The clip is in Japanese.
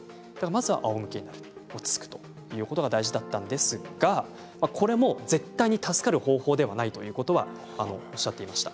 まずは、あおむけになるそして落ち着くということが大事なんですがこれも絶対に助かる方法ではないということはおっしゃっていました。